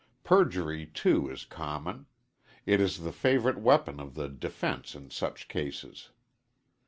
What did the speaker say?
Perjury, too, is common. It is the favorite weapon of the defense in such cases.